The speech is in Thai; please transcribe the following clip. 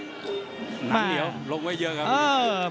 หนังเหนียวลงไว้เยอะครับ